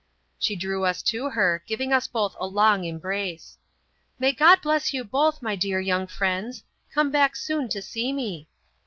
She drew us to her, giving us both a long embrace. "May God bless you both, by dear young friends! Come back soon to see me."